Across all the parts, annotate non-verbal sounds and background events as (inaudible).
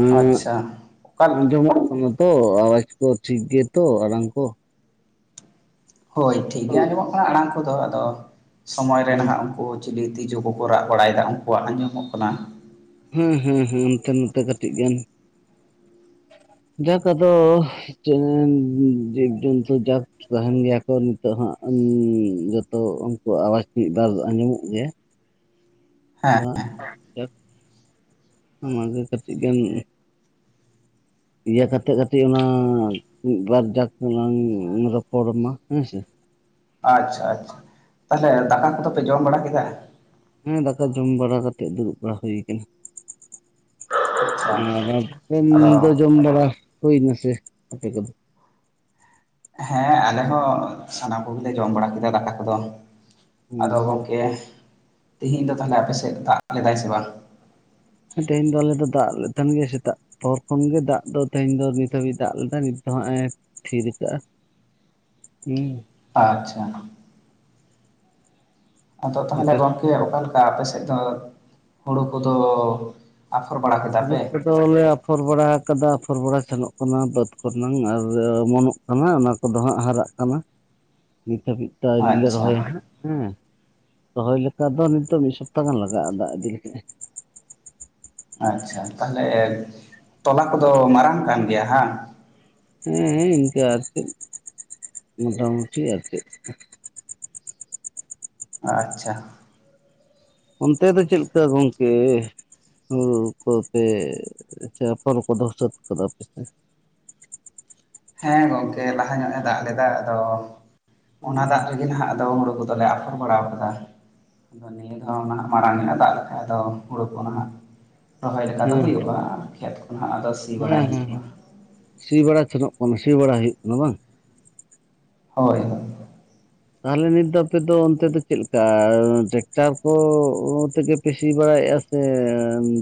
ᱩᱸᱜ ᱟᱪᱪᱷᱟ ᱚᱠᱟ ᱟᱡᱚᱢ ᱠᱟᱱᱟ᱾ ᱛᱚ ᱟᱣᱟᱡ ᱠᱚ ᱴᱷᱤᱠ ᱜᱮ ᱛᱚ ᱟᱲᱟᱝ ᱠᱚ? ᱦᱳᱭ ᱴᱷᱤᱠ ᱜᱮ ᱟᱸᱡᱚᱢᱚᱜ ᱠᱟᱱᱟ ᱟᱲᱟᱝ ᱠᱚᱫᱚ ᱟᱫᱚ ᱥᱚᱢᱚᱭ ᱨᱮ ᱦᱩᱸ ᱱᱟᱦᱟᱸᱜ ᱩᱝᱠᱩ ᱪᱤᱞᱤ ᱛᱤᱡᱩ ᱠᱚᱠᱚ ᱨᱟᱜ ᱵᱟᱲᱟᱭᱫᱟ ᱩᱱᱠᱩᱣᱟᱜ ᱟᱸᱡᱚᱢᱚᱜ ᱠᱟᱱᱟ᱾ ᱦᱮᱸ ᱦᱮᱸ ᱦᱮᱸ ᱚᱱᱛᱮ ᱱᱚᱛ ᱠᱟᱹᱴᱤᱡ ᱜᱟᱱ (unintelligible) ᱡᱟᱠ ᱟᱫᱚ ᱪᱮᱜ ᱡᱤᱵ ᱡᱚᱱᱛᱩ ᱡᱟᱠ ᱛᱟᱦᱮᱸᱱ ᱜᱮᱭᱟ ᱠᱚ ᱱᱤᱛᱚᱜ ᱦᱟᱸᱜ ᱡᱚᱛᱚ ᱩᱱᱠᱩ ᱟᱣᱟᱡ ᱢᱤᱫ ᱵᱟᱨ ᱟᱸᱡᱚᱢᱚᱜ ᱜᱮᱭᱟ᱾ ᱟᱫᱚ ᱦᱮᱸ ᱦᱟᱸᱜ (inaudible) ᱚᱱᱟᱜᱮ ᱠᱟᱹᱴᱤᱡ ᱜᱟᱱ ᱤᱭᱟᱹ ᱠᱟᱛᱮᱜ ᱠᱟᱹᱴᱤᱡ ᱚᱱᱟ ᱢᱤᱫ ᱵᱟᱨ ᱡᱟᱠ ᱞᱟᱝ ᱨᱚᱯᱚᱲ ᱢᱟ ᱦᱮᱸᱥᱮ᱾ ᱟᱪᱪᱷᱟ ᱟᱪᱪᱷᱟ, ᱛᱟᱦᱚᱞᱮ ᱫᱟᱠᱟ ᱠᱚᱫᱚ ᱯᱮ ᱡᱚᱢ ᱵᱟᱲᱟ ᱠᱮᱫᱟ? ᱦᱮᱸ ᱫᱟᱠᱟ ᱡᱚᱢ ᱵᱟᱲᱟ ᱠᱟᱛᱮᱜ ᱫᱩᱲᱩᱵ ᱵᱟᱲᱟ ᱦᱩᱭ ᱠᱟᱱᱟ᱾ ᱟᱪᱪᱷᱟ ᱟᱨ ᱟᱯᱮᱱ ᱟᱫᱚ ᱫᱚ ᱡᱚᱢ ᱵᱟᱲᱟ ᱦᱩᱭᱱᱟᱥ ᱟᱯᱮ ᱠᱚᱫᱚ? ᱦᱮᱸ ᱟᱞᱮ ᱦᱚᱸ ᱥᱟᱱᱟᱢ ᱠᱚᱜᱮᱞᱮ ᱡᱚᱢ ᱵᱟᱲᱟ ᱠᱮᱫᱟ ᱫᱟᱠᱟ ᱠᱚᱫᱚ᱾ ᱦᱩᱸ ᱟᱫᱚ ᱦᱩᱸ ᱜᱚᱝᱠᱮ ᱛᱮᱦᱤᱧ ᱫᱚ ᱛᱟᱦᱞᱮ ᱟᱯᱮᱥᱮᱫ ᱫᱟᱜ ᱞᱮᱫᱟᱭ ᱥᱮ ᱵᱟᱝ? ᱛᱮᱦᱮᱧ ᱫᱚ ᱟᱞᱮ ᱫᱚ ᱫᱟᱜ ᱞᱮᱫ ᱛᱟᱦᱮᱸᱜᱮᱭᱟ ᱥᱮᱛᱟᱜ᱾ ᱯᱚᱨ ᱠᱷᱚᱱ ᱜᱮ ᱫᱟᱜ ᱫᱚ ᱛᱮᱦᱤᱧ ᱫᱚ ᱱᱤᱛ ᱦᱟᱹᱵᱤᱡ ᱫᱟᱜ ᱞᱮᱫᱟ ᱱᱤᱛ ᱫᱚ ᱦᱟᱸᱜ ᱮ ᱛᱷᱤᱨ ᱠᱟᱹᱜᱼᱟ᱾ ᱦᱩᱸ᱾ ᱟᱪᱪᱷᱟ᱾ ᱟᱫᱚ ᱛᱟᱦᱚᱞᱮ ᱟᱯᱮ ᱜᱚᱢᱠᱮ ᱚᱠᱟ ᱞᱮᱠᱟ ᱟᱯᱮ ᱥᱮᱫ ᱫᱚ ᱦᱩᱲᱩ ᱠᱚᱫᱚ ᱟᱯᱷᱚᱨ ᱵᱟᱲᱟ ᱠᱮᱫᱟ ᱯᱮ? ᱫᱚᱞᱮ ᱟᱯᱷᱚᱨ ᱵᱟᱲᱟ ᱠᱟᱫᱟ ᱟᱯᱷᱚᱨ ᱵᱟᱲᱟ ᱥᱮᱱᱚᱜ ᱠᱟᱱᱟ ᱵᱟᱹᱫ ᱠᱚᱨᱮ ᱱᱟᱝ ᱟᱨ ᱚᱢᱚᱱᱚᱜ ᱠᱟᱱᱟ ᱚᱱᱟ ᱠᱚᱫᱚ ᱦᱟᱸᱜ ᱦᱟᱨᱟᱜ ᱠᱟᱱᱟ, ᱱᱤᱛ ᱦᱟᱹᱵᱤᱡ ᱛᱮ ᱟᱹᱣᱨᱤᱞ ᱞᱮ ᱟᱪᱪᱷᱟ ᱨᱚᱦᱚᱭᱟ ᱦᱟᱸᱜ᱾ ᱦᱮᱸ ᱨᱚᱦᱚᱭ ᱞᱮᱠᱟ ᱫᱚ ᱱᱤᱛᱚᱜ ᱢᱤᱫ ᱥᱚᱯᱛ ᱜᱟᱱ ᱞᱟᱜᱟᱜ-ᱟ ᱫᱟᱜ ᱤᱫᱤ ᱞᱮᱠᱟ ᱮ᱾ ᱟᱪᱪᱷᱟ ᱛᱟᱦᱚᱞᱮ ᱛᱚᱞᱟ ᱠᱚᱫᱚ ᱢᱟᱨᱟᱝ ᱠᱟᱱ ᱜᱮᱭᱟ ᱵᱟᱝ? ᱦᱮᱸ ᱤᱱᱠᱟ ᱟᱨᱠᱤ ᱢᱚᱴᱟᱼᱢᱩᱴᱤ ᱟᱨ ᱪᱮᱫ ᱾ ᱟᱪᱪᱷᱟ᱾ ᱚᱱᱛᱮ ᱫᱚ ᱪᱮᱫ ᱞᱮᱠᱟ ᱜᱚᱝᱠᱮ? ᱦᱩᱲᱩ ᱠᱚᱯᱮ ᱪᱷᱟᱯᱚᱞ ᱠᱚᱫᱚ ᱥᱟᱹᱛ ᱠᱟᱫᱟ ᱯᱮ ᱥᱮ? ᱦᱮᱸ ᱜᱚᱝᱠᱮ ᱞᱟᱦᱟ ᱧᱚᱜ ᱮ ᱫᱟᱜ ᱞᱮᱫᱟ, ᱟᱫᱚ ᱚᱱᱟ ᱫᱟᱜ ᱨᱮᱜᱮ ᱱᱟᱦᱟᱜ ᱟᱫᱚ ᱦᱩᱲᱩ ᱠᱚᱫᱚᱞᱮ ᱟ (unintelligible) ᱵᱟᱲᱟᱣ ᱠᱟᱫᱟ᱾ ᱟᱫᱚ ᱱᱤᱭᱟᱹ ᱫᱷᱟᱣ ᱱᱟᱦᱟᱜ ᱢᱟᱲᱟᱝ ᱧᱚᱜ ᱫᱟᱜ ᱞᱮᱠᱷᱟᱡ ᱫᱚ ᱦᱩᱲᱩ ᱠᱚ ᱱᱟᱜ᱾ ᱨᱚᱦᱚᱭ ᱞᱮᱠᱟ ᱫᱚ ᱦᱩᱭᱩᱜ-ᱟ, ᱠᱷᱮᱛ ᱠᱷᱚᱱᱟᱜ ᱟᱫᱚ ᱥᱤ ᱵᱟᱲᱟᱭ ᱦᱩᱸ ᱦᱩᱸ ᱦᱩᱭᱩᱜᱼᱟ ᱦᱩᱸ ᱥᱤ ᱵᱲᱟ ᱥᱮᱱᱚᱜ ᱠᱟᱱᱟ, ᱥᱤ ᱵᱟᱲᱟ ᱦᱩᱭᱩᱜ ᱠᱟᱱᱟ ᱵᱟᱝ? ᱦᱚᱭ ᱦᱳᱭ᱾ ᱛᱟᱦᱞᱮ ᱱᱤᱛ ᱫᱚ ᱟᱯᱮᱫᱚ ᱚᱱᱛᱮ ᱫᱚ ᱪᱮᱫ ᱞᱮᱠᱟ ᱴᱮᱠᱴᱟᱨ ᱠᱚ ᱛᱮᱜᱮ ᱯᱮ ᱥᱤ ᱵᱟᱲᱟᱭᱮᱫ-ᱟ? ᱥᱮ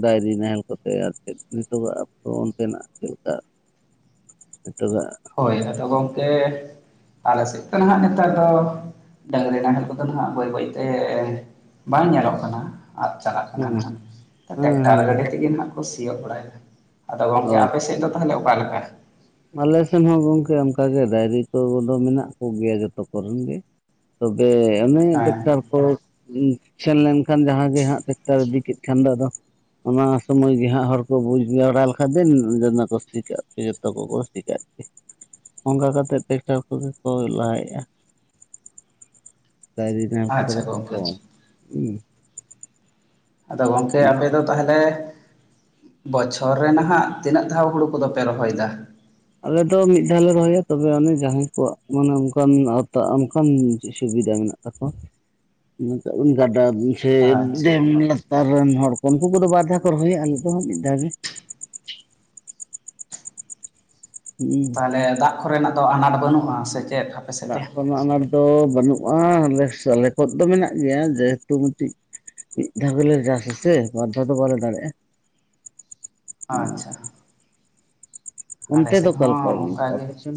ᱰᱟᱭᱨᱤ ᱱᱟᱦᱮᱞ ᱠᱚᱛᱮ ᱟᱨ ᱪᱮᱫ ᱱᱤᱛᱚᱜᱟᱜ ᱚᱠᱛᱚ ᱚᱱᱛᱮᱱᱟᱜ ᱪᱮᱫ ᱞᱮᱠᱟ? ᱮᱴᱟᱜᱟᱜ? ᱦᱳᱭ, ᱟᱫᱚ ᱜᱚᱝᱠᱮ ᱟᱞᱮ ᱥᱮᱫ ᱫᱚ ᱱᱟᱦᱟᱜ ᱱᱮᱛᱟᱨ ᱫᱚ ᱰᱟᱹᱝᱜᱨᱤ ᱱᱟᱦᱮᱞ ᱠᱚᱫᱚ ᱱᱟᱦᱟᱜ ᱵᱟᱹᱭ ᱵᱟᱹᱭ ᱛᱮ ᱵᱟᱝ ᱧᱮᱞᱚᱜ ᱠᱟᱱᱟ᱾ ᱟᱫ ᱪᱟᱞᱟᱜ ᱠᱟᱱᱟ ᱦᱮᱸ ᱱᱟᱜ, ᱦᱮᱸ ᱛᱚ ᱴᱮᱠᱴᱟᱨ ᱦᱮᱸ ᱜᱟᱹᱰᱤ ᱛᱮᱜᱮ ᱱᱟᱜ ᱠᱚ ᱥᱤᱭᱩᱜ ᱵᱟᱲᱟᱭᱮᱫᱟ᱾ ᱟᱫᱚ ᱜᱚᱝᱠᱮ ᱦᱳᱭ ᱟᱯᱮ ᱥᱮᱡ ᱫᱚ ᱛᱟᱦᱞᱮ ᱚᱠᱟᱞ ᱞᱮᱠᱟ? ᱟᱞᱮ ᱥᱮᱱ ᱦᱚᱸ ᱜᱚᱝᱠᱮ ᱚᱱᱠᱟᱜᱮ ᱰᱟᱭᱨᱤ ᱠᱚᱫᱚ ᱢᱮᱱᱟᱜ ᱠᱚᱜᱮᱭᱟ ᱡᱚᱛᱚ ᱠᱚᱨᱮᱱ ᱜᱮ᱾ ᱛᱚᱵᱮ ᱟᱱᱟ ᱴᱮᱠᱴᱟᱨ ᱦᱮᱸ ᱠᱚ ᱥᱮᱱ ᱞᱮᱱᱠᱷᱟᱱ ᱡᱟᱦᱟᱸ ᱜᱮ ᱦᱟᱸᱜ ᱴᱮᱠᱴᱟᱨ ᱤᱫᱤ ᱠᱮᱫ ᱠᱷᱟᱱ ᱫᱚ ᱟᱫᱚ ᱚᱱᱟ ᱥᱚᱢᱚᱭ ᱜᱮ ᱦᱟᱸᱜ ᱦᱚᱲ ᱠᱚ ᱵᱩᱡᱽ ᱡᱟᱣᱨᱟ ᱞᱮᱠᱷᱟᱡ ᱫᱚ (unintelligible) ᱞᱟᱹᱭᱟᱠᱚᱟ ᱪᱤᱠᱟᱹᱜ ᱯᱷᱤᱨ? ᱟᱵᱚ ᱥᱤ ᱠᱟᱜ ᱜᱮ, ᱚᱝᱠᱟ ᱠᱟᱛᱮᱫ ᱴᱮᱠᱴᱟᱨ ᱠᱚᱜᱮ ᱠᱚ ᱞᱟᱦᱟᱭᱮᱜ-ᱟ᱾ (unintelligible) ᱟᱪᱪᱷᱟ ᱠᱟᱹᱴᱤᱡ ᱜᱚᱝᱠᱮ ᱠᱚ ᱦᱩᱸ᱾ ᱟᱫᱚ ᱜᱚᱝᱠᱮ ᱟᱯᱮ ᱫᱚ ᱛᱟᱦᱞᱮ ᱵᱚᱪᱷᱚᱨ ᱨᱮ ᱱᱟᱦᱟᱜ ᱛᱤᱱᱟᱹᱜ ᱫᱷᱟᱣ ᱦᱩᱲᱩ ᱠᱚᱫᱚ ᱯᱮ ᱨᱚᱦᱚᱭ ᱫᱟ? ᱟᱞᱮ ᱫᱚ ᱢᱤᱫ ᱫᱷᱟᱣ ᱞᱮ ᱨᱚᱦᱚᱭᱟ ᱛᱚᱵᱮ ᱚᱱᱮ ᱡᱟᱦᱟᱸᱭ ᱠᱚᱣᱟᱜ ᱢᱟᱱᱮ ᱚᱱᱠᱟᱱ ᱟᱣᱛᱟ ᱚᱱᱠᱟᱱ ᱥᱩᱵᱤᱫᱟ ᱢᱮᱱᱟᱜ᱾ ᱛᱟᱠᱚ (unintelligible) ᱠᱟᱜ ᱤᱧ ᱜᱟᱰᱟ ᱜᱤ᱾ ᱥᱮ ᱟᱪᱪᱷᱟ ᱰᱮᱢ ᱞᱟᱛᱟᱨ ᱨᱮᱱ ᱦᱚᱲ ᱠᱚ ᱩᱱᱠᱩ ᱠᱚᱫᱚ ᱵᱟᱨ ᱫᱷᱟᱣ ᱠᱚ ᱨᱚᱦᱚᱭᱟ ᱟᱞᱮ ᱫᱚ ᱦᱟᱸᱜ ᱢᱤᱫ ᱫᱷᱟᱣ ᱜᱮ᱾ ᱦᱩᱸ᱾ ᱵᱚᱞᱮ ᱫᱟᱜ ᱠᱚᱨᱮᱱᱟᱜ ᱫᱚ ᱟᱱᱟᱴ ᱵᱟᱹᱱᱩᱜ-ᱟ ᱥᱮ ᱪᱮᱫ? ᱥᱮᱫ ᱫᱚ ᱫᱟᱜ ᱠᱚᱨᱮᱱᱟᱜ ᱟᱱᱟᱴ ᱫᱚ ᱵᱟᱹᱱᱩᱜ-ᱟ, (unintelligible) ᱥᱮᱞ ᱠᱚ ᱫᱚ ᱢᱮᱱᱟᱜ ᱜᱮᱭᱟ ᱡᱮᱦᱮᱛᱩ ᱢᱤᱫᱴᱤᱡ ᱢᱤᱫ ᱫᱷᱟᱣ ᱜᱮᱞᱮ ᱪᱟᱥᱟᱥᱮ ᱵᱟᱨ ᱫᱷᱟᱣ ᱫᱚ ᱵᱟᱞᱮ ᱫᱟᱲᱮᱭᱟᱜ-ᱟ᱾ ᱦᱟᱸ ᱦᱟᱸ᱾ ᱚᱱᱛᱮ ᱫᱚ ᱚᱠᱟ ᱞᱮᱠᱟ ᱚᱱᱠᱟ ᱜᱚᱝᱠᱮ ᱜᱮ ᱟᱯᱮ ᱥᱮᱱ?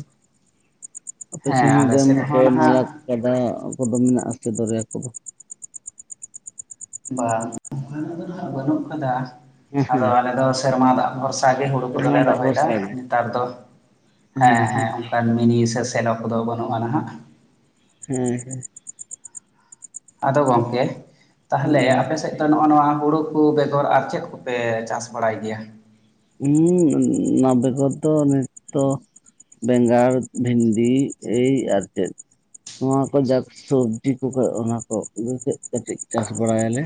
ᱟᱯᱮ ᱦᱮᱸ ᱥᱮᱱ ᱫᱚ ᱟᱞᱮ ᱫᱚᱢᱮ ᱥᱮᱫ ᱠᱚ ᱦᱚᱸ ᱱᱟᱞᱟ ᱱᱟᱦᱟᱜ ᱜᱟᱰᱟ ᱠᱚᱫᱚ ᱢᱮᱱᱟᱜ ᱟᱥᱮ ᱫᱚᱨᱭᱟ ᱠᱚᱫᱚ? ᱵᱟᱝ ᱚᱱᱠᱟᱱᱟᱜ ᱫᱚ ᱱᱟᱦᱟᱜ ᱵᱟᱹᱱᱩᱜ ᱠᱟᱫᱟ᱾ ᱦᱮᱸ ᱟᱫᱚ ᱦᱮᱸ ᱟᱞᱮ ᱫᱚ ᱥᱮᱨᱢᱟ ᱫᱟᱜ ᱵᱷᱚᱨᱥᱟ ᱜᱮ ᱦᱩᱲᱩ ᱠᱚᱫᱚ ᱥᱮᱨᱢᱟ ᱞᱮ ᱫᱟᱜ ᱨᱚᱦᱚᱭ ᱮᱫᱟ ᱵᱷᱚᱨᱥᱟ ᱜᱮ᱾ ᱱᱮᱛᱟᱨ ᱫᱚ᱾ ᱦᱮᱸ ᱦᱮᱸ ᱚᱱᱠᱟᱱ ᱢᱤᱱᱤ ᱥᱮ ᱥᱮᱱᱚ ᱠᱚᱫᱚ ᱵᱟᱹᱱᱩᱜ-ᱟ ᱱᱟᱦᱟᱜ᱾ ᱦᱮᱸ ᱦᱮᱸ᱾ ᱟᱫᱚ ᱜᱚᱝᱠᱮ ᱛᱟᱦᱞᱮ ᱦᱮᱸ ᱟᱯ ᱥᱮᱫ ᱛᱚ, ᱱᱚᱜ-ᱚ ᱱᱚᱣᱟ ᱦᱩᱲᱩ ᱠᱚ ᱵᱮᱜᱚᱨ ᱟᱨ ᱪᱮᱫ ᱠᱚᱯᱮ ᱪᱟᱥ ᱵᱟᱲᱟᱭ ᱜᱮᱭᱟ? ᱦᱩᱸ ᱚᱱᱟ ᱵᱮᱜᱚᱨ ᱫᱚ ᱚᱱᱮ ᱛᱚ ᱵᱮᱸᱜᱟᱲ ᱵᱷᱤᱱᱰᱤ ᱮᱹᱭ ᱟᱨ ᱪᱮᱫ᱾ ᱱᱚᱣᱟ ᱠᱚ ᱡᱟᱠ ᱥᱚᱵᱡᱤ ᱠᱚ ᱠᱚ ᱚᱱᱟ ᱠᱚ ᱟᱹᱜᱩ ᱠᱮᱫ ᱠᱟᱹᱴᱤᱡ ᱪᱟᱥ ᱵᱟᱲᱟᱭᱟᱞᱮ᱾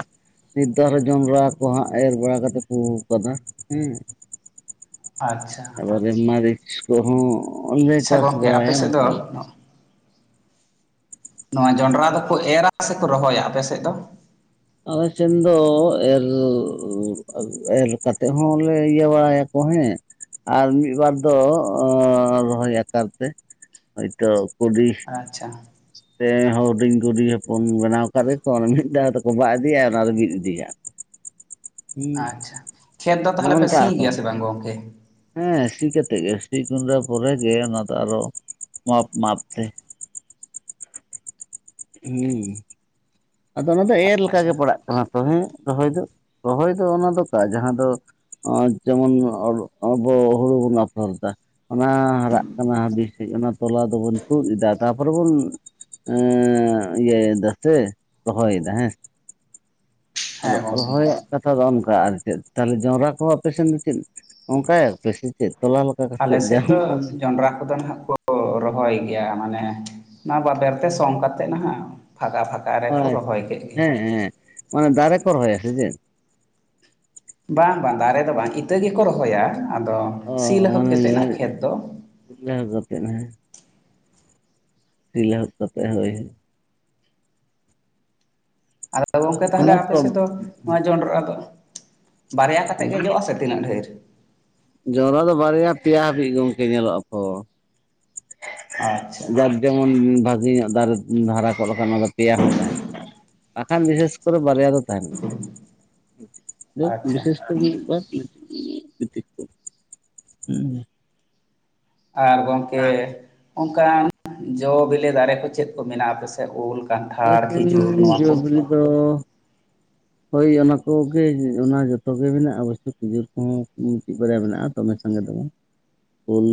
ᱱᱮᱛᱟᱨ ᱡᱚᱸᱰᱨᱟ ᱠᱚ ᱦᱟᱸᱜ ᱮᱨ ᱵᱟᱲᱟ ᱠᱟᱛᱮᱜ ᱯᱩ ᱠᱟᱫᱟ ᱦᱩᱸ᱾ ᱟᱪᱪᱷᱟ᱾ ᱢᱟᱨᱤᱪ ᱠᱚᱦᱚᱸ ᱞᱮ ᱟᱪᱪᱷᱟ ᱪᱟᱥ ᱜᱚᱢᱠᱮ ᱟᱯᱮ ᱵᱟᱲᱟᱭᱟ ᱥᱮᱫ ᱫᱚ ᱚᱱᱠᱟᱞᱮᱠᱟ᱾ ᱱᱚᱣᱟ ᱡᱚᱸᱰᱨᱟ ᱫᱚᱠᱚ ᱮᱨᱟ ᱥᱮ ᱠᱚ ᱨᱚᱦᱚᱭᱟ ᱟᱯᱮ ᱥᱮᱡ ᱫᱚ? ᱟᱞᱮ ᱥᱮᱱ ᱫᱚ ᱮᱨ ᱮᱨ ᱠᱟᱛᱮᱜ ᱦᱚᱸᱞᱮ ᱤᱭᱟᱹ ᱵᱟᱲᱟᱭᱟᱠᱚ ᱦᱮᱸ᱾ ᱟᱨ ᱢᱤᱫᱵᱟᱨ ᱫᱚ ᱨᱚᱦᱚᱭ ᱟᱠᱟᱨ ᱛᱮ ᱦᱳᱭᱛᱚ ᱠᱩᱰᱤ ᱟᱪᱪᱷᱟ ᱛᱮ ᱦᱩᱰᱤᱧ ᱠᱩᱰᱤ ᱦᱚᱯᱚᱱ ᱵᱮᱱᱟᱣ ᱠᱟᱫᱮ ᱛᱚ ᱢᱤᱫ ᱫᱷᱟᱣ ᱠᱚᱵᱟ ᱤᱫᱤᱭᱤᱭᱟ ᱚᱱᱟ ᱫᱚ ᱵᱤᱫ ᱤᱫᱤᱭᱟᱜ᱾ ᱟᱪᱪᱷᱟ ᱠᱷᱮᱛ ᱫᱚ ᱛᱟᱦᱚᱞᱮ ᱱᱚᱜᱼᱚ ᱯᱮ ᱱᱚᱝᱠᱟ ᱥᱤ ᱟᱠᱚ ᱜᱮᱭᱟ ᱥᱮ ᱵᱟᱝ ᱜᱚᱢᱠᱮ? ᱦᱮᱸ ᱥᱤ ᱠᱟᱛᱮᱜ ᱜᱮ ᱥᱤ ᱜᱩᱸᱰᱟᱹ ᱯᱚᱨᱮ ᱜᱮ ᱚᱱᱟ ᱫᱚ ᱟᱨᱚ ᱢᱟᱯ ᱢᱟᱯ ᱛᱮ ᱦᱩᱸ᱾ ᱟᱫᱚ ᱚᱱᱟ ᱫᱚ ᱮᱨ ᱞᱮᱠᱟᱜᱮ ᱟᱪᱪᱷᱟ ᱯᱟᱲᱟᱜ ᱠᱟᱱᱟ ᱛᱚ ᱦᱮᱸ ᱨᱚᱦᱚᱭ ᱫᱚ ᱨᱚᱦᱚᱭ ᱫᱚ ᱚᱱᱟ ᱫᱚᱠᱚ ᱡᱟᱦᱟᱸ ᱫᱚ ᱚᱸ ᱡᱮᱢᱚᱱ ᱟᱵᱚ ᱦᱩᱲᱩ ᱵᱚᱱ ᱟᱯᱷᱚᱨᱫᱟ, ᱚᱱᱟ ᱦᱟᱨᱟᱜ ᱠᱟᱱᱟ ᱦᱟᱸᱜ ᱵᱮᱥ ᱴᱷᱤᱠ ᱚᱱᱟ ᱛᱚᱞᱟ ᱫᱚᱵᱚᱱ ᱛᱩᱫ ᱮᱫᱟ ᱛᱟᱨᱯᱚᱨᱮ ᱵᱚᱱ ᱮᱸᱻ ᱤᱭᱟ ᱫᱟᱥᱮ ᱨᱚᱦᱚᱭᱫᱟ ᱦᱮᱸ ᱦᱮᱸ ᱟᱫᱚ ᱜᱚᱢᱠᱮ ᱨᱚᱦᱚᱭᱟᱜ ᱠᱟᱛᱷᱟ ᱫᱚ ᱚᱱᱠᱟ ᱟᱨ ᱪᱮᱫ ᱛᱟᱦᱚᱞᱮ ᱡᱚᱱᱰᱨᱟ ᱠᱚᱦᱚᱸ ᱟᱯᱮᱥᱮᱱᱫ ᱫᱚ ᱪᱮᱫ ᱚᱱᱠᱟᱭ ᱟᱯ ᱥᱮ ᱪᱮᱫ ᱛᱚᱞᱟ ᱞᱮ ᱟᱞᱮᱥᱮᱫ ᱫᱚ ᱡᱚᱱᱰᱨᱟ ᱠᱚᱫᱚ ᱱᱟᱦᱟᱸᱜ ᱠᱚ ᱠᱚ ᱨᱚᱦᱚᱭ ᱜᱮᱭᱟ ᱢᱟᱱᱮ ᱚᱱᱟ ᱵᱟᱵᱮᱨ ᱛᱮ ᱥᱚᱝ ᱠᱟ ᱠᱟᱛᱮᱫ ᱱᱟᱦᱟᱜ ᱯᱷᱟᱸᱠᱟ ᱯᱷᱟ ᱟᱪᱪᱷᱟ ᱟᱪᱪᱷᱟ ᱦᱮᱸ ᱦᱮᱸ ᱚᱱᱮ ᱫᱟᱨᱮ ᱠᱚ ᱨᱚᱦᱚᱭᱟ ᱥᱮᱪᱮᱫ? ᱵᱟᱝ ᱵᱟᱝ ᱫᱟᱨᱮ ᱫᱚ ᱵᱟᱝ ᱤᱛᱟᱹ ᱜᱮᱠᱚ ᱨᱚᱦᱚᱭᱟ, ᱟᱫᱚ ᱥᱤ ᱞᱟᱹᱦᱩᱫ ᱠᱟᱛᱮᱫ ᱱᱟᱦᱟᱸᱜ ᱠᱷᱮᱛ ᱫᱚ ᱡᱷᱟᱣ ᱠᱟᱛᱮᱫ ᱦᱮᱸ? ᱥᱤ ᱞᱟᱹᱦᱩᱫ ᱠᱟᱛᱮᱜ ᱦᱳᱭ᱾ ᱟᱫᱚ ᱜᱚᱝᱠᱮ ᱛᱟᱦᱚᱞᱮ ᱚᱱᱟ ᱟᱯᱮ ᱛᱚ ᱥᱮᱫ ᱫᱚ ᱱᱚᱣᱟ ᱡᱚᱸᱰᱨᱟ ᱫᱚ ᱵᱟᱨᱭᱟ ᱠᱟᱛᱮᱜ ᱜᱮ ᱡᱚᱜ ᱟ ᱥᱮ ᱛᱤᱱᱟᱹᱜ ᱰᱷᱮᱨ? ᱡᱚᱱᱰᱚᱨᱟ ᱫᱚ ᱵᱟᱨᱭᱟ ᱯᱮᱭᱟ ᱦᱟᱹᱵᱤᱡ ᱜᱚᱢᱠᱮ ᱧᱮᱞᱚᱜᱼᱟ ᱛᱚ᱾ ᱟᱪᱪᱷᱟ ᱠᱟᱠ ᱡᱮᱢᱚᱱ ᱵᱷᱟᱜᱮ ᱧᱚᱜ ᱫᱟᱨᱮ ᱫᱷᱟᱨᱟ ᱠᱚᱜ ᱞᱮᱠᱷᱟᱱ ᱚᱱᱟ ᱫᱚ ᱯᱮᱭᱟ ᱦᱚᱸ ᱛᱟᱦᱮᱸᱱᱟ᱾ ᱟᱠᱷᱟᱱ ᱵᱤᱥᱮᱥ ᱠᱚᱨᱮ ᱵᱟᱨᱭᱟ ᱫᱚ ᱛᱟᱦᱮᱸᱱ ᱜᱮᱭᱟ, ᱛᱚ ᱟᱪᱪᱷᱟ ᱵᱤᱥᱮᱥ ᱠᱚᱨᱮ ᱫᱚ (inaudible) ᱦᱩᱸ᱾ ᱟᱨ ᱜᱚᱢᱠᱮ ᱚᱱᱠᱟᱱ ᱡᱚ ᱵᱤᱞᱤ ᱫᱟᱨᱮ ᱠᱚ ᱪᱮᱫ ᱠᱚ ᱢᱮᱱᱟᱜᱼᱟ ᱟᱯᱮ ᱥᱮ? ᱥᱮ ᱩᱞ, ᱠᱟᱱᱴᱷᱟᱲ, ᱠᱷᱤᱡᱩᱨ ᱱᱚᱣᱟ ᱠᱚ? ᱛᱚ ᱦᱳᱭ ᱚᱱᱟ ᱠᱚᱜᱮ ᱚᱱᱟ ᱡᱷᱚᱛᱚ ᱜᱮ ᱢᱮᱱᱟᱜᱼᱟ, ᱚᱵᱚᱥᱳᱭ ᱠᱷᱤᱡᱩᱨ ᱠᱚᱦᱚᱸ ᱪᱮᱫ ᱵᱟᱨᱭᱟ ᱢᱮᱱᱟᱜᱼᱟ᱾ ᱫᱚᱢᱮ ᱥᱟᱸᱜᱮ ᱫᱚ ᱵᱟᱝ ᱩᱞ,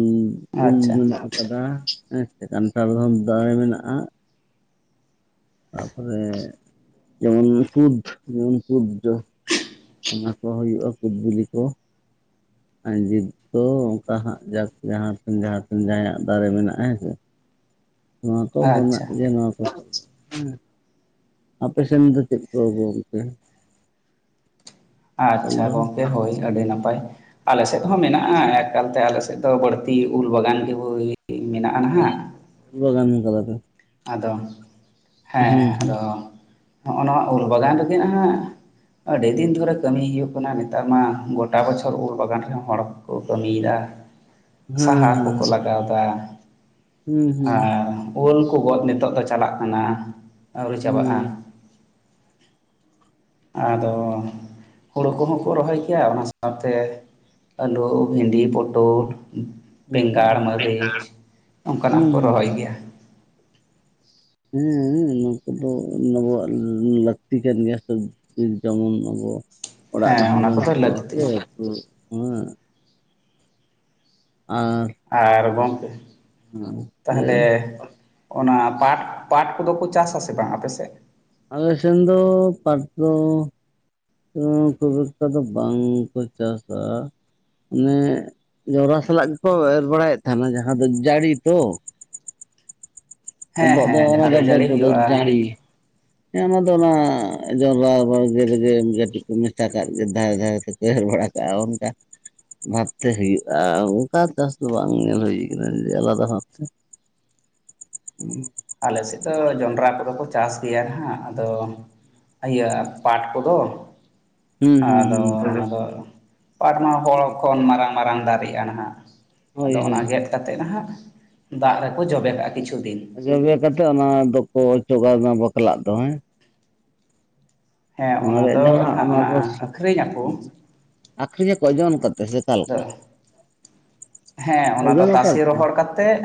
ᱩᱞ ᱟᱪᱪᱷᱟ ᱢᱮᱱᱟᱜ ᱠᱟᱫᱟ ᱦᱮᱸᱥᱮ ᱠᱟᱱᱴᱷᱟᱲ ᱦᱚᱸ ᱫᱟᱨᱮ ᱢᱮᱱᱟᱜᱼᱟ᱾ ᱛᱟᱯᱚᱨᱮ ᱡᱮᱢᱚᱱ ᱠᱩᱫᱽ ᱡᱮᱢᱚᱱ ᱠᱩᱫᱽ ᱡᱚ ᱚᱱᱟ ᱠᱚ ᱦᱩᱭᱩᱜᱼᱟ, ᱠᱩᱫᱽ ᱵᱤᱞᱤ ᱠᱚ (inaudible) ᱛᱚ ᱚᱱᱠᱟ ᱦᱟᱸᱜ ᱡᱟᱠ ᱡᱟᱦᱟᱸ ᱴᱷᱮᱱ ᱡᱟᱦᱟᱸ ᱴᱷᱮᱱ ᱡᱟᱦᱟᱸᱭᱟᱜ ᱫᱟᱨᱮ ᱢᱮᱱᱟᱜᱼᱟ ᱦᱮᱸᱥᱮ ᱱᱚᱣᱟ ᱠᱚ ᱢᱮᱱᱟᱜ ᱟᱪᱪᱷᱟ ᱜᱮᱭᱟ ᱱᱚᱣᱟ ᱠᱚ ᱦᱮᱸ᱾ ᱟᱯᱮ ᱥᱮᱱ ᱫᱚ ᱪᱮᱫ ᱠᱚ (inaudible) ᱜᱚᱢᱠᱮ? ᱟᱪᱪᱷᱟ ᱫᱚ ᱜᱚᱢᱠᱮ ᱦᱳᱭ ᱟᱹᱰᱤ ᱱᱟᱯᱟᱭ ᱟᱞᱮ ᱥᱮᱫ ᱦᱚᱸ ᱢᱮᱱᱟᱜᱼᱟ ᱮᱠᱟᱞ ᱛᱮ ᱟᱞᱮ ᱥᱮᱫ ᱛᱚ ᱵᱟᱹᱲᱛᱤ ᱩᱞ ᱵᱟᱜᱟᱱ ᱜᱮ ᱢᱮᱱᱟᱜᱼᱟ ᱱᱟᱦᱟᱸᱜ, ᱵᱟᱜᱟᱱᱤ ᱠᱟᱫᱟ ᱯᱮ? ᱟᱫᱚ ᱦᱮᱸ ᱦᱩᱸ ᱦᱩᱸ ᱟᱫᱚ ᱱᱚᱜᱼᱱᱚᱣᱟ ᱩᱞ ᱵᱟᱜᱟᱱ ᱨᱮᱜᱮ ᱱᱟᱦᱟᱸᱜ ᱟᱹᱰᱤ ᱫᱤᱱ ᱫᱷᱚᱨᱮ ᱠᱟᱹᱢᱤ ᱦᱩᱭᱩᱜᱭ ᱠᱟᱱᱟ ᱱᱮᱛᱟᱨ ᱢᱟ ᱜᱚᱴᱟ ᱵᱚᱪᱷᱚᱨ ᱩᱞ ᱵᱟᱜᱟᱱ ᱨᱮᱦᱚᱸ ᱦᱚᱲ ᱠᱚ ᱠᱟᱹᱢᱤ ᱫᱟ᱾ ᱦᱮᱸ ᱥᱟᱦᱟᱨ ᱠᱚᱠᱚ ᱞᱟᱜᱟᱣᱫᱟ ᱦᱮᱸ ᱦᱩᱸ ᱟᱨ ᱩᱞ ᱠᱚ ᱜᱚᱫ ᱱᱤᱛᱚᱜ ᱫᱚ ᱪᱟᱞᱟᱜ ᱠᱟᱱᱟ ᱟᱹᱣᱨᱤ ᱪᱟᱵᱟᱜᱼᱟ᱾ ᱦᱩᱸ ᱟᱫᱚ ᱦᱩᱲᱳ ᱠᱚᱦᱚᱸ ᱠᱚ ᱨᱚᱦᱚᱭ ᱜᱮᱭᱟ ᱚᱱᱟ ᱥᱟᱶᱛᱮ ᱟᱞᱩ, ᱵᱷᱮᱱᱰᱤ, ᱯᱚᱴᱚᱞ᱾ ᱦᱩᱸ ᱵᱮᱸᱜᱟᱲ ᱢᱟᱹᱨᱤᱪ ᱱᱚᱝᱠᱟ ᱱᱟᱜ ᱦᱚ ᱠᱚ ᱦᱩᱸ ᱨᱚᱦᱚᱭ ᱜᱮᱭᱟ᱾ ᱦᱮᱸ ᱱᱚᱣᱟ ᱠᱚᱫᱚ ᱟᱵᱚᱣᱟᱜ ᱞᱟᱹᱠᱛᱤ ᱠᱟᱱ ᱜᱮᱭᱟ ᱥᱮ᱾ ᱡᱮᱢᱚᱱ ᱟᱵᱚ ᱚᱲᱟᱜ ᱦᱮᱸ ᱨᱮᱦᱚᱸ ᱚᱱᱟ ᱡᱚᱢ ᱠᱚᱫᱚ ᱥᱮᱱᱚᱜᱼᱟ ᱞᱟᱹᱠᱛᱤ ᱥᱮ ᱛᱚ ᱦᱮᱸ᱾ ᱟᱨ ᱟᱨ ᱜᱚᱝᱠᱮ ᱞᱟᱹᱭ ᱛᱟᱦᱟᱞᱮ ᱢᱮ ᱚᱱᱟ ᱯᱟᱴ ᱯᱟᱴ ᱠᱚᱫᱚ ᱯᱮ ᱪᱟᱥ ᱟᱥᱮ ᱵᱟᱝ ᱟᱯᱮ ᱥᱮᱫ? ᱟᱞᱮ ᱥᱮᱱ ᱫᱚ ᱯᱟᱴ ᱫᱚ ᱠᱷᱩᱵ ᱮᱠᱴᱟ ᱫᱚ ᱵᱟᱝᱠᱚ ᱪᱟᱥᱟ᱾ ᱚᱱᱮ ᱡᱚᱱᱨᱟ ᱥᱟᱞᱟᱜ ᱜᱮᱠᱚ ᱮᱨ ᱵᱟᱲᱟᱭᱮᱫ ᱛᱟᱦᱮᱱᱟ ᱡᱟᱦᱟᱸ ᱫᱚ ᱡᱟᱲᱤ ᱛᱚ ᱦᱮᱸ ᱦᱮᱸ ᱡᱟᱦᱟᱸ ᱟᱵᱚᱣᱟᱜ ᱡᱟᱹᱲᱤ ᱫᱚ ᱦᱩᱭᱩᱜᱼᱟ (unintelligible) ᱡᱟᱲᱤ ᱦᱮᱸ ᱚᱱᱟ ᱫᱚ ᱚᱱᱟ ᱡᱚᱱᱰᱨᱟ ᱵᱟᱲᱜᱮ ᱨᱮᱜᱮ ᱠᱟᱹᱴᱤᱡ ᱠᱚ ᱢᱮᱥᱟ ᱠᱟᱜ ᱜᱮ ᱫᱷᱟᱨᱮ ᱫᱷᱟᱨᱮ ᱛᱮ᱾ ᱮᱨ ᱵᱟᱲᱟ ᱠᱟᱜ-ᱟ, ᱚᱱᱠᱟ᱾ ᱵᱷᱟᱵᱛᱮ ᱦᱩᱭᱩᱜᱼᱟ, ᱚᱱᱠᱟ ᱪᱟᱥ ᱫᱚ ᱵᱟᱝ ᱧᱮᱞ ᱦᱩᱭ ᱠᱟᱱᱟ ᱡᱮ ᱟᱞᱟᱫᱟ ᱵᱷᱟᱵᱽ ᱛᱮ᱾ (inaudible) ᱦᱩᱸ᱾ ᱟᱞᱮ ᱥᱮᱫ ᱫᱚ ᱡᱚᱱᱰᱨᱟ ᱠᱚᱫᱚ ᱠᱚ ᱪᱟᱥ ᱜᱮᱭᱟ ᱦᱟᱸᱜ ᱟᱫᱚ ᱤᱭᱟᱹ ᱯᱟᱴ ᱠᱚᱫᱚ ᱦᱩᱸ ᱦᱩᱸ ᱟᱫᱚ ᱦᱩᱸ ᱛᱚᱵᱮ ᱚᱱᱟ ᱫᱚ ᱯᱟᱴ ᱢᱟ ᱦᱚᱲ ᱠᱷᱚᱱ ᱢᱟᱨᱟᱝ ᱢᱟᱨᱟᱝ ᱫᱟᱨᱮᱜᱼᱟ ᱱᱟᱦᱟᱜ ᱦᱳᱭ ᱟᱫᱚ ᱚᱱᱟ ᱦᱳᱭ ᱜᱮᱛ ᱠᱟᱛᱮᱫ ᱱᱟᱦᱟᱜ ᱫᱟᱜ ᱨᱮᱠᱚ ᱡᱚᱵᱮ ᱠᱟᱜᱼᱟ, ᱠᱤᱪᱷᱩ ᱫᱤᱱ᱾ ᱡᱚᱵᱮ ᱠᱟᱛᱮᱜ ᱚᱱᱟ ᱫᱚᱠᱚ ᱚᱪᱚᱜᱟ ᱚᱱᱟ ᱵᱟᱯᱞᱟᱜ ᱫᱚ ᱦᱮᱸ᱾ ᱦᱮᱸ ᱚᱱᱟ ᱨᱮᱭᱟᱜ ᱫᱚ ᱡᱟᱦᱟᱸ ᱱᱟᱦᱟᱜ ᱚᱱᱟ ᱫᱚ ᱟᱹᱠᱷᱨᱤᱧ ᱟᱠᱚ ᱟᱹᱠᱷᱨᱤᱧ ᱟᱠᱚ ᱚᱡᱚᱱ ᱠᱟᱛᱮ ᱥᱮ? ᱚᱠᱟᱞᱮᱠᱟ ᱦᱮᱸ, ᱚᱱᱟ ᱫᱚ ᱳᱡᱚᱱ ᱟᱠᱟᱫ ᱛᱟᱥᱮ ᱯᱮ? ᱨᱚᱦᱚᱲ ᱠᱟᱛᱮ ᱛᱮᱫ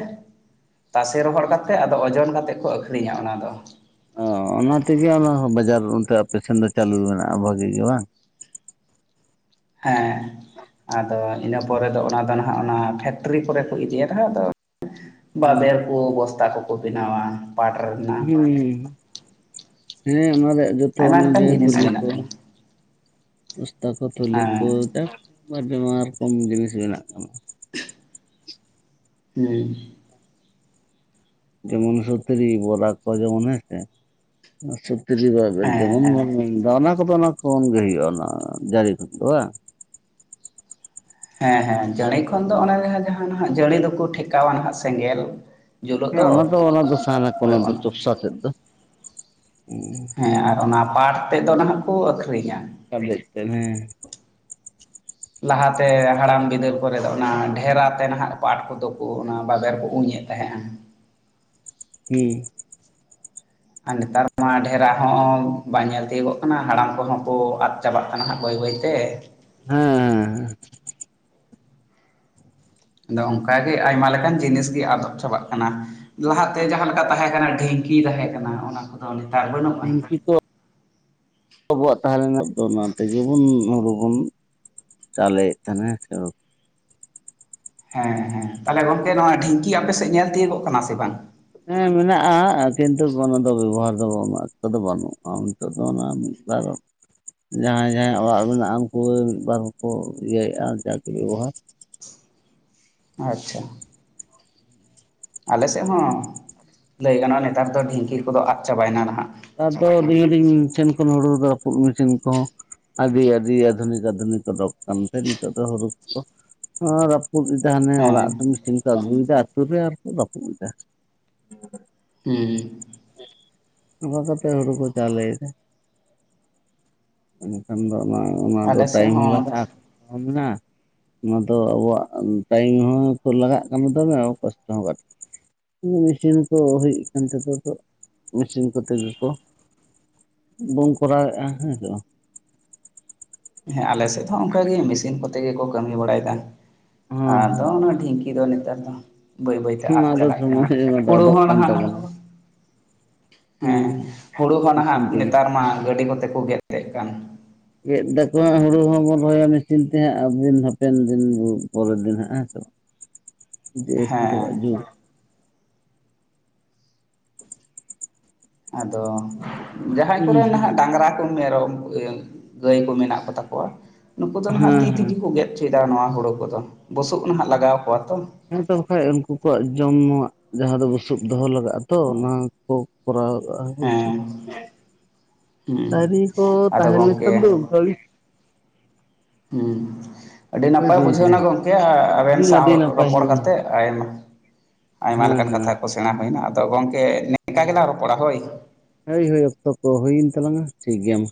ᱛᱟᱥᱮ ᱨᱚᱦᱚᱲ ᱠᱟᱛᱮᱫ ᱟᱫᱚ ᱳᱡᱚᱱ ᱠᱟᱛᱮᱫ ᱠᱚ ᱟᱹᱠᱷᱨᱤᱧᱟ ᱚᱱᱟ ᱫᱚ᱾ ᱚ ᱚᱱᱟ ᱛᱮᱜᱮ ᱚᱱᱟ ᱵᱟᱡᱟᱨ ᱚᱱᱛᱮ ᱟᱯᱮ ᱥᱮᱱ ᱫᱚ ᱪᱟᱹᱞᱩ ᱢᱮᱱᱟᱜᱼᱟ ᱵᱷᱟᱜᱤ ᱜᱮ ᱵᱟᱝ? ᱦᱮᱸ, ᱟᱫᱚ ᱤᱱᱟᱹ ᱯᱚᱨᱮ ᱫᱚ ᱚᱱᱟ ᱫᱚ ᱱᱟᱜ ᱚᱱᱟ ᱯᱷᱮᱠᱴᱨᱤ ᱠᱚᱨᱮ ᱠᱚ ᱤᱫᱤᱭᱟ, ᱟᱫᱚ ᱵᱟᱵᱮᱨ ᱠᱚ ᱵᱚᱥᱛᱟ ᱠᱚᱠᱚ ᱵᱮᱱᱟᱣᱟ ᱯᱟᱴᱷ ᱨᱮᱱᱟᱜ᱾ ᱦᱩᱸ ᱦᱮᱸ ᱦᱮᱸ, ᱚᱱᱟ ᱨᱮᱭᱟᱜ ᱡᱚᱛᱚ ᱟᱭᱢᱟ ᱞᱮᱠᱟᱱ ᱚᱱᱩᱡᱟᱭᱤ ᱡᱤᱱᱤᱥ ᱛᱩᱞᱤ ᱠᱚ ᱵᱮᱱᱟᱜ ᱠᱟᱱᱟ ᱵᱚᱥᱛᱟ ᱠᱚ ᱛᱷᱩᱞᱤ ᱦᱮᱸ ᱠᱚ ᱱᱟᱱᱟ ᱨᱚᱠᱚᱢ ᱡᱤᱱᱤᱥ ᱵᱮᱱᱟᱜ ᱠᱟᱱᱟ᱾ (inaudible) ᱦᱩᱸ᱾ ᱡᱮᱢᱚᱱ ᱥᱚᱛᱩᱨᱤ ᱵᱚᱨᱟ ᱠᱚ ᱡᱮᱢᱚᱱ ᱦᱮ ᱥᱮ᱾ ᱥᱚᱛᱛᱤᱨᱤ ᱦᱮᱸ ᱦᱮᱸ (unintelligible) ᱚᱱᱟ ᱠᱷᱚᱱ ᱜᱮ ᱦᱩᱭᱩᱜᱼᱟ, ᱚᱱᱟ ᱡᱟᱹᱨᱤ ᱠᱚ ᱫᱚ ᱵᱟᱝ? ᱦᱮᱸ ᱦᱮᱸ ᱡᱟᱹᱲᱤ ᱠᱷᱚᱱ ᱫᱚ ᱚᱱᱮ ᱡᱟᱦᱟᱸ ᱡᱟᱦᱟᱸ ᱱᱟᱜ ᱡᱟᱹᱲᱤ ᱫᱚᱠᱚ ᱴᱷᱮᱠᱟᱣᱟ ᱱᱟᱦᱟᱜ ᱥᱮᱸᱜᱮᱞ᱾ ᱦᱮᱸ ᱚᱱᱟ ᱫᱚ ᱚᱱᱟ ᱫᱚ ᱥᱟᱦᱟᱱᱟ ᱠᱚ ᱚᱱᱟ ᱫᱚ ᱪᱚᱯᱥᱟ ᱠᱚᱜ ᱫᱚ᱾ ᱦᱮᱸ ᱟᱨ ᱚᱱᱟ ᱯᱟᱴ ᱛᱮᱫ ᱫᱚ ᱱᱟᱦᱟᱜ ᱠᱚ ᱟᱹᱠᱷᱨᱤᱧᱟ᱾ ᱠᱟᱫᱮᱡ ᱛᱮ ᱦᱮᱸ᱾ ᱞᱟᱦᱟᱛᱮ ᱦᱟᱲᱟᱢ ᱵᱤᱫᱟᱹᱞ ᱠᱚᱨᱮ ᱫᱚ ᱚᱱᱟ ᱰᱷᱮᱨᱟ ᱛᱮ ᱱᱟᱦᱟᱜ ᱯᱟᱴ ᱠᱚᱫᱚ ᱠᱚ ᱚᱱᱟ ᱵᱟᱵᱮᱨ ᱠᱚ ᱩᱧᱮᱫ ᱛᱟᱦᱮᱸᱜᱼᱟ᱾ ᱦᱩᱸ᱾ ᱟᱨ ᱱᱮᱛᱟᱨ ᱢᱟ ᱰᱷᱮᱨᱟ ᱦᱚᱸ ᱵᱟᱭ ᱧᱮᱞ ᱛᱤᱭᱳᱜᱚᱜ ᱠᱟᱱᱟ, ᱦᱟᱲᱟᱢ ᱠᱚᱦᱚᱸ ᱠᱚ ᱟᱫ ᱪᱟᱵᱟᱜ ᱠᱟᱱᱟ ᱦᱟᱸᱜ ᱵᱟᱹᱭ ᱵᱟᱹᱭᱛᱮ᱾ ᱦᱮᱸ ᱦᱮᱸ ᱦᱮᱸ᱾ ᱟᱫᱚ ᱚᱱᱠᱟᱜᱮ ᱟᱭᱢᱟ ᱞᱮᱠᱟᱱ ᱡᱤᱱᱤᱥ ᱜᱮ ᱟᱫᱚᱜ ᱪᱟᱵᱟᱜ ᱠᱟᱱᱟ᱾ ᱞᱟᱦᱟᱛᱮ ᱡᱟᱦᱟᱸᱞᱮᱠᱟ ᱛᱟᱦᱮᱸ ᱠᱟᱱᱟ ᱰᱷᱤᱮᱝᱠᱤ ᱛᱟᱦᱮᱸ ᱠᱟᱱᱟ ᱚᱱᱟ ᱠᱚ ᱱᱮᱛᱟᱨ ᱵᱟᱹᱱᱩᱜ ᱰᱷᱤᱝᱠᱤ ᱠᱚ ᱟᱵᱚᱣᱟᱜ ᱛᱟᱦᱮᱸ ᱞᱮᱱᱟ ᱫᱚ ᱚᱱᱟ ᱛᱮᱜᱮ ᱵᱚᱱ ᱦᱩᱲᱩ ᱵᱩᱱ ᱪᱟᱣᱞᱮ ᱮᱫ ᱛᱟᱦᱮᱸᱱᱟ ᱦᱮᱸᱥᱮ ᱵᱟ? ᱦᱮᱸ ᱦᱮᱸ ᱛᱟᱦᱚᱞᱮ ᱜᱚᱝᱠᱮ ᱱᱚᱣᱟ ᱰᱷᱤᱝᱠᱤ ᱟᱯᱮ ᱥᱮᱫ ᱧᱮᱞ ᱛᱤᱭᱳᱚᱜ ᱠᱟᱱᱟ ᱥᱮ ᱵᱟᱝ? ᱦᱮᱸ ᱢᱮᱱᱟᱜᱼᱟ ᱠᱤᱱᱛᱩ ᱚᱱᱟ ᱫᱚ ᱵᱮᱵᱚᱦᱟᱨ ᱫᱚ ᱩᱱᱟᱹᱜ ᱚᱠᱛᱚ ᱫᱚ ᱵᱟᱹᱱᱩᱜᱼᱟ᱾ ᱱᱤᱛᱚᱜ ᱫᱚ ᱚᱱᱟ (unintelligible) ᱡᱟᱦᱟᱸᱭ ᱡᱟᱦᱟᱸᱭ ᱚᱲᱟᱜ ᱢᱮᱱᱟᱜᱼᱟ ᱩᱝᱠᱩ ᱢᱤᱫ ᱵᱟᱨ ᱦᱚᱸᱠᱚ ᱤᱭᱟᱹᱭᱮᱜᱼᱟ ᱡᱟᱜᱮ ᱵᱮᱵᱚᱦᱟᱨ, ᱟᱪᱪᱷᱟ᱾ ᱟᱞᱮᱥᱮᱫ ᱦᱚᱸ ᱞᱟᱹᱭ ᱜᱟᱱᱚᱜᱼᱟ ᱱᱮᱛᱟᱨ ᱫᱚ ᱰᱷᱤᱝᱠᱤ ᱠᱚᱫᱚ ᱟᱫ ᱪᱟᱵᱟᱭᱱᱟ ᱱᱟᱦᱟᱸᱜ᱾ ᱟᱫᱚ (unintelligible) ᱴᱷᱮᱱ ᱠᱷᱚᱱ ᱦᱩᱲᱩ ᱨᱟᱹᱯᱩᱫ ᱢᱮᱥᱤᱱ ᱠᱚᱦᱚᱸ ᱟᱹᱰᱤ ᱟᱹᱰᱤ ᱟᱫᱷᱩᱱᱤᱠ ᱟᱫᱷᱩᱱᱤᱠ ᱚᱰᱚᱜ ᱠᱟᱱᱛᱮ ᱱᱤᱛᱚᱜ ᱫᱚ ᱦᱩᱲᱩ ᱠᱚ ᱟᱨ ᱨᱟᱹᱯᱩᱫ ᱮᱫᱟ ᱦᱟᱱᱮ ᱦᱮᱸ ᱚᱲᱟᱜ ᱢᱮᱥᱤᱱ ᱠᱚ ᱟᱹᱜᱩᱭ ᱮᱫᱟ ᱟᱛᱩ ᱨᱮ ᱟᱨᱠᱚ ᱨᱟᱹᱯᱩᱫ ᱫᱟ᱾ ᱦᱩᱸ᱾ ᱚᱱᱠᱟ ᱠᱟᱛᱮ ᱦᱩᱲᱩ ᱠᱚ ᱪᱟᱣᱞᱮ ᱫᱟ ᱮᱱᱠᱷᱟᱱ ᱫᱚ ᱚᱱᱟ ᱚᱱᱟ ᱫᱚ ᱟᱞᱮ ᱥᱮᱫ ᱴᱟᱭᱤᱢ ᱦᱚᱸ ᱞᱟᱜᱟᱜ (unintelligible) ᱚᱱᱟ ᱫᱚ ᱟᱵᱚᱣᱟᱜ ᱴᱟᱭᱤᱢ ᱦᱚᱸ ᱞᱟᱜᱟᱜ ᱠᱟᱱᱟ ᱛᱚᱵᱮ ᱠᱚᱥᱴᱚ ᱦᱚᱸ ᱠᱟᱹᱴᱤᱡ᱾ ᱩᱸ ᱢᱮᱥᱤᱱ ᱠᱚ ᱦᱩᱭᱩᱜ ᱠᱟᱱ ᱛᱮ ᱛᱚ ᱢᱮᱥᱤᱱ ᱠᱚᱛᱮ ᱜᱮᱠᱚ ᱵᱚᱱ ᱠᱚᱨᱟᱣᱮᱫᱼᱟ ᱦᱮᱸᱥᱮ᱾ ᱦᱮᱸ ᱟᱞᱮ ᱥᱮᱫ ᱦᱚᱸ ᱚᱱᱠᱟ ᱜᱮ ᱢᱮᱥᱤᱱ ᱠᱚᱛᱮ ᱜᱮᱠᱚ ᱠᱟᱹᱢᱤ ᱵᱟᱲᱟᱭᱫᱟ ᱵᱟᱝ ᱟᱫᱚ ᱦᱚᱸ ᱚᱱᱟ ᱰᱷᱤᱝ ᱠᱤ ᱫᱚ ᱱᱮᱛᱟᱨ ᱫᱚ ᱡᱟᱦᱟᱸ ᱵᱟᱹᱭ ᱵᱟᱹᱭᱛᱮ ᱦᱚᱸ ᱟᱫ ᱚᱱᱟ ᱫᱚ ᱪᱟᱞᱟᱜ ᱠᱟᱱᱟ ᱥᱚᱢᱚᱭ ᱚᱱᱟ ᱫᱚ ᱦᱩᱲᱩ ᱟᱫᱚᱜ ᱦᱚᱸ ᱠᱟᱱ ᱱᱟᱦᱟᱸᱜ ᱛᱟᱵᱚᱱᱟ ᱦᱮᱸ ᱦᱩᱲᱩ ᱦᱚᱸ ᱱᱟᱦᱟᱸᱜ ᱢᱮᱥᱤᱱ ᱛᱮᱜᱮ ᱱᱮᱛᱟᱨ ᱢᱟ ᱜᱟᱹᱰᱤ ᱠᱚᱛᱮ ᱠᱚ ᱜᱮᱜᱮᱫ ᱠᱟᱱ᱾ ᱜᱮᱫ ᱫᱟᱠᱚ ᱦᱟᱸᱜ ᱦᱩᱲᱩ ᱦᱚᱸᱵᱚᱱ ᱨᱚᱦᱚᱭᱟ ᱢᱮᱥᱤᱱ ᱛᱮᱦᱟᱸᱜ ᱟᱵᱤᱱ ᱦᱟᱯᱮᱱ ᱫᱤᱱ ᱯᱚᱨᱮᱨ ᱫᱤᱱ ᱦᱟᱸᱜ ᱦᱮᱸᱥᱮ᱾ (inaudible) ᱦᱮᱸ (inaudible) ᱟᱫᱚ ᱡᱟᱦᱟᱸᱭ ᱦᱩᱸ ᱦᱩᱸ ᱠᱚᱨᱮᱱ ᱦᱮᱸ ᱦᱟᱸᱜ ᱰᱟᱝᱨᱟ ᱠᱚ ᱢᱮᱨᱚᱢ ᱜᱟᱹᱭ ᱠᱚ ᱢᱮᱱᱟᱜ ᱠᱚ ᱛᱟᱠᱚᱣᱟ ᱱᱩᱠᱩ ᱫᱚ ᱱᱟᱦᱟᱸᱜ ᱛᱤ ᱦᱮᱸ ᱛᱮᱜᱮ ᱜᱮᱫ ᱦᱚᱪᱚᱭ ᱫᱟ ᱱᱚᱣᱟ ᱦᱩᱲᱳ ᱠᱚᱫᱚ ᱵᱩᱥᱩᱵ ᱱᱟᱦᱟᱸᱜ ᱞᱟᱜᱟᱣ ᱠᱚᱣᱟ ᱛᱚ᱾ ᱦᱮᱸ ᱛᱚ ᱵᱟᱠᱷᱟᱡ ᱩᱝᱠᱩ ᱠᱚᱣᱟᱜ ᱡᱚᱢ ᱧᱩᱣᱟᱜ ᱡᱟᱦᱟᱸ ᱫᱚ ᱵᱩᱥᱩᱵ ᱫᱚᱦᱚ ᱞᱟᱜᱟᱜᱼᱟ ᱛᱚ, ᱚᱱᱟ ᱠᱚ ᱠᱚᱨᱟᱣ (inaudible) ᱦᱮᱸ ᱦᱮᱸ ᱰᱟᱝᱨᱤ ᱠᱚ ᱟᱫᱚ ᱜᱚᱢᱠᱮ ᱛᱟᱦᱮᱸᱞᱮᱠᱷᱟᱱ ᱫᱚ ᱚᱝᱠᱟᱜᱤ ᱦᱩᱸ ᱟᱹᱰᱤ ᱦᱳᱭ ᱱᱟᱯᱟᱭ ᱜᱚᱝᱠᱮ ᱵᱩᱡᱷᱟᱹᱣ ᱱᱟ ᱜᱚᱢᱠᱮ ᱟᱵᱮᱱ ᱦᱮᱸ ᱥᱟᱶ ᱟᱹᱰᱤ ᱱᱟᱯᱟᱭ ᱨᱚᱯᱚᱲ ᱦᱮᱸ ᱠᱟᱛᱮᱜ ᱟᱭᱢᱟ ᱟᱭᱢᱟ ᱞᱮᱠᱟᱱ ᱦᱮᱸ ᱠᱟᱛᱷᱟ ᱠᱚ ᱥᱮᱬᱟ ᱦᱩᱭᱱᱟ ᱟᱫᱚ ᱜᱚᱢᱠᱮ ᱱᱮᱠᱟ ᱜᱮᱞᱟᱝ ᱨᱚᱯᱚᱲᱟ ᱦᱳᱭ᱾ ᱦᱳᱭ ᱦᱳᱭ ᱚᱠᱛᱚ ᱠᱚ ᱦᱩᱭᱮᱱ ᱛᱟᱞᱟᱝᱼᱟ ᱴᱷᱤᱠ ᱜᱮᱭᱟ ᱢᱟ᱾